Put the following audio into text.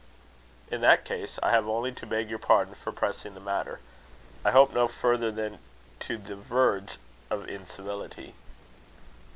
"In that case, I have only to beg your pardon for pressing the matter I hope no further than to the verge of incivility."